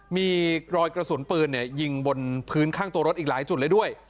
มีรอยกระสุนปืนยิงบนพื้นข้างตัวรถอีกหลายจุดเลยด้วย